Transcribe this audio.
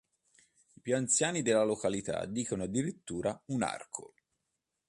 I più anziani della località dicono addirittura un arco.